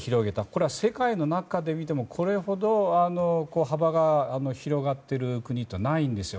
これは世界の中で見てもこれほど幅が広がっていることはないんですよ。